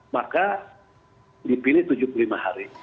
maka dipilih tujuh puluh lima hari